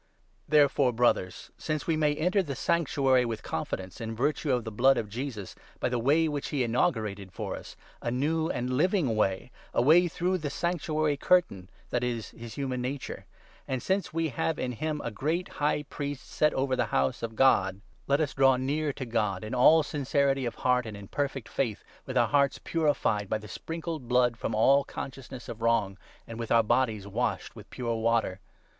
Therefore, Brothers, since we may enter the Sanctuary with 19 confidence, in virtue of the blood of Jesus, by the way which he inaugurated for us — a new and living way, a way through 20 the Sanctuary Curtain (that is, his human nature) ; and, since 21 we have in him ' a great priest set over the House of God,' let 22 »»« P«. 40. 6 8. >»» p9. II0. ,. 16 17 J^r. 31. 33—34. 21 Zech. 6. 11—13 • Num. la. 7. HEBREWS, 10. 443 us draw near to God in all sincerity of heart and in perfect faith, with our hearts purified by the sprinkled blood from all consciousness of wrong, and with our bodies washed with pure water.